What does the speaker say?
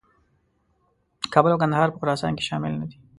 کابل او کندهار په خراسان کې شامل نه دي.